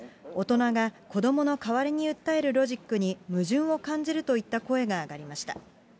大人が子どもの代わりに訴えるロジックに、矛盾を感じるといった声が上がりました。